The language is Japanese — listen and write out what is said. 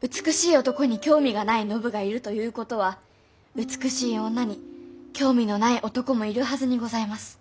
美しい男に興味がない信がいるということは美しい女に興味のない男もいるはずにございます。